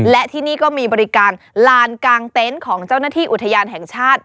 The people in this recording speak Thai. และที่นี่ก็มีบริการลานกลางเต็นต์ของเจ้าหน้าที่อุทยานแห่งชาติ